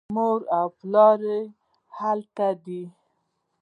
مور او پلار یې هلته دي.